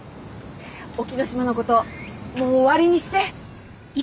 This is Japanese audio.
沖野島のこともう終わりにして。